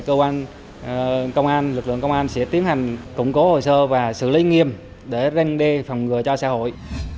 cơ quan công an lực lượng công an sẽ tiến hành củng cố hồ sơ và xử lý nghiêm để răng đe phòng ngừa cho xã hội